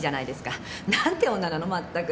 何て女なのまったく！